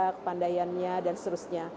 kepandaiannya dan seterusnya